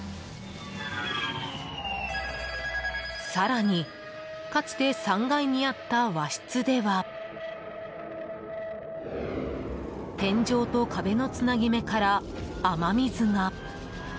更にかつて３階にあった和室では天井と壁のつなぎ目から雨水が。